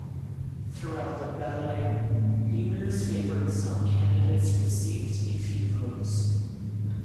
Throughout the balloting, numerous favorite son candidates received a few votes.